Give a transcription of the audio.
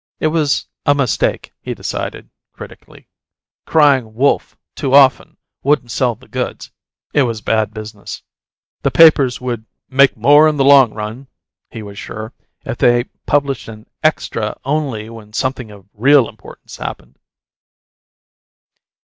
It was a mistake, he decided, critically. Crying "Wolf!" too often wouldn't sell the goods; it was bad business. The papers would "make more in the long run," he was sure, if they published an "Extra" only when something of real importance happened.